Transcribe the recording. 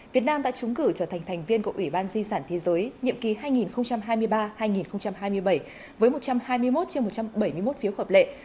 việt nam đã trúng cử trở thành thành viên của ủy ban di sản thế giới nhiệm kỳ hai nghìn hai mươi ba hai nghìn hai mươi bảy với một trăm hai mươi một trên một trăm bảy mươi một phiếu hợp lệ